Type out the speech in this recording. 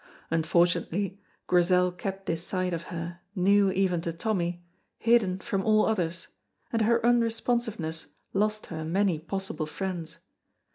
Unfortunately Grizel kept this side of her, new even to Tommy, hidden from all others, and her unresponsiveness lost her many possible friends.